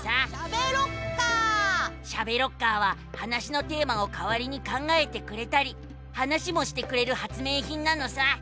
「しゃべロッカー」は話のテーマをかわりに考えてくれたり話もしてくれる発明品なのさ！